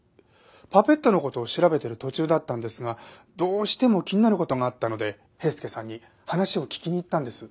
パペットの事を調べてる途中だったんですがどうしても気になる事があったので平助さんに話を聞きに行ったんです。